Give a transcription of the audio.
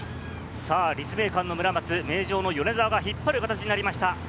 立命館の村松、名城の米澤が引っ張る形になりました。